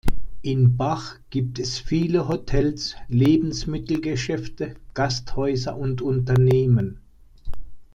In Bach gibt es viele Hotels, Lebensmittelgeschäfte, Gasthäuser und Unternehmen.